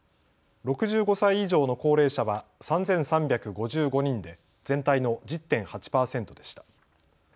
６５歳以上の高齢者は３３５５人で全体の１０．８％でした。